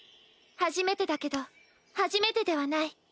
初めてだけど初めてではない。